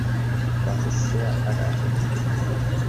Das ist sehr ehrgeizig.